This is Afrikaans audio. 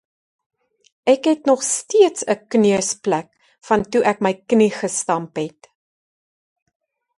Ek het nog steeds 'n kneusplek van toe ek my knie gestamp het.